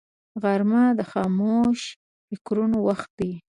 غرمه د خاموش فکرونو وخت دی